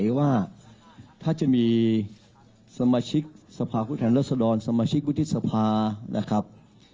หัวใจว่าถ้าจะมีสมาชิกสภาคุณฐานรัษฎรสมาชิกวิทธิษภานะครับ